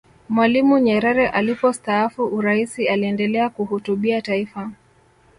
mwalimu nyerere alipostaafu uraisi aliendelea kuhutubia taifa